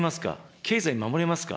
経済守れますか。